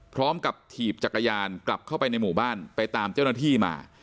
ถีบจักรยานกลับเข้าไปในหมู่บ้านไปตามเจ้าหน้าที่มา